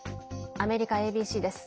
アメリカＡＢＣです。